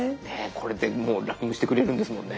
これでもうラッピングしてくれるんですもんね。